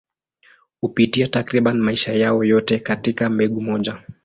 Hupitia takriban maisha yao yote katika mbegu moja.